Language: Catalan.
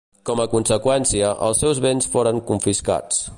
Com a conseqüència, els seus béns foren confiscats.